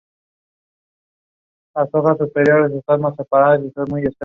En Estados Unidos son obligatorios, pero no todos los países los exigen.